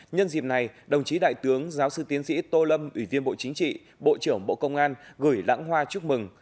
nhân dịp này đồng chí đại tướng giáo sư tiến sĩ tô lâm ủy viên bộ chính trị bộ trưởng bộ công an gửi lãng hoa chúc mừng